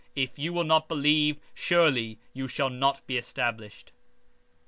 If ye will not believe surely ye shall not be established.